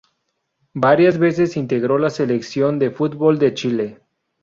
Varias veces integró la Selección de fútbol de Chile.